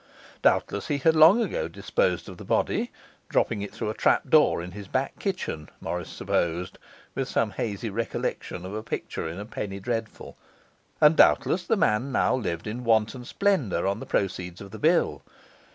Doubtless he had long ago disposed of the body dropping it through a trapdoor in his back kitchen, Morris supposed, with some hazy recollection of a picture in a penny dreadful; and doubtless the man now lived in wanton splendour on the proceeds of the bill.